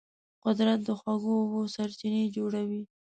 قدرت د خوږو اوبو سرچینې جوړوي.